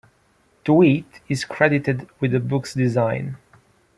Tweet is credited with the book's design.